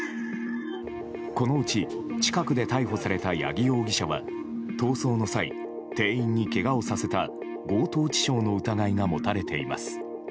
このうち近くで逮捕された八木容疑者は逃走の際、店員にけがをさせた強盗致傷の疑いが持たれています。